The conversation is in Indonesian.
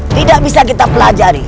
tidak bisa kita pelajari